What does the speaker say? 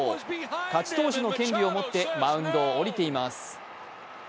勝ち投手の権利を持ってマウンドを降りています。